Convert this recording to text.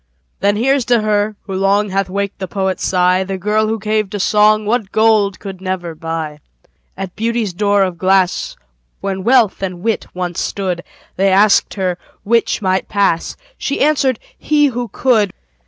Then here's to her, who long Hath waked the poet's sigh, The girl who gave to song What gold could never buy. At Beauty's door of glass, When Wealth and Wit once stood, They asked her 'which might pass?" She answered, "he, who could."